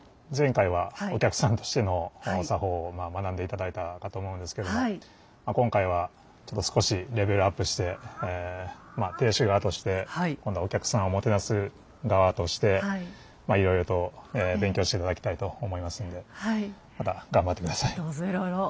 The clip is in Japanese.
前回はお客さんとしての作法を学んで頂いたかと思うんですけども今回はちょっと少しレベルアップしてまあ亭主側として今度はお客さんをもてなす側としてまあいろいろと勉強して頂きたいと思いますのでまた頑張って下さい。